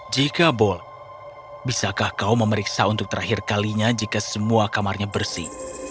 jika boleh bisakah kau memeriksa untuk terakhir kalinya jika semua kamarnya bersih